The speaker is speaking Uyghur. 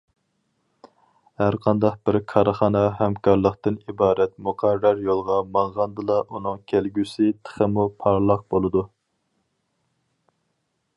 ھەرقانداق بىر كارخانا ھەمكارلىقتىن ئىبارەت مۇقەررەر يولدا ماڭغاندىلا ئۇنىڭ كەلگۈسى تېخىمۇ پارلاق بولىدۇ.